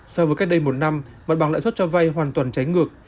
so với cách đây một năm mặt bằng lãi suất cho vay hoàn toàn trái ngược